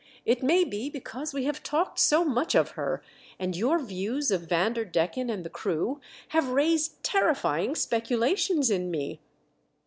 It may be because we have talked so much of her, and your views of Vanderdecken and the crew have raised terrifying speculations in me."